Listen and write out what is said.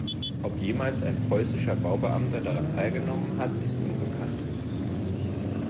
Ob jemals ein preußischer Baubeamter daran teilgenommen hat, ist unbekannt.